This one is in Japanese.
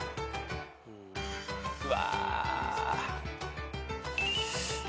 うわ。